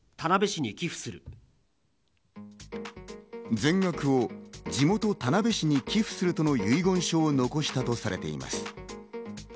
全額を地元・田辺市に寄付するとの遺言書を残したとされています。